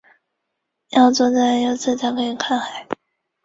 云南獐牙菜为龙胆科獐牙菜属下的一个种。